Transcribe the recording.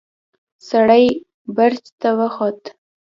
سړی برج ته وخوت.